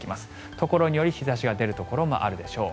ところにより日差しが出るところもあるでしょう。